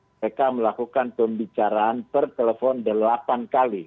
mereka melakukan pembicaraan per telepon delapan kali